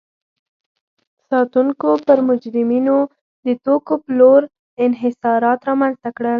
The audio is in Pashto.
ساتونکو پر مجرمینو د توکو د پلور انحصارات رامنځته کړل.